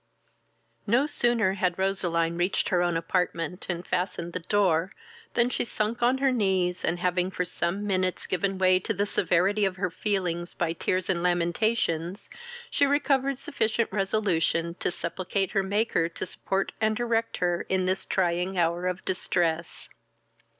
X. No sooner had Roseline reached her own apartment, and fastened the door, than she sunk on her knees, and having for some minutes given way to the severity of her feelings by tears and lamentations, she recovered sufficient resolution to supplicate her Maker to support and direct her in this trying hour of distress.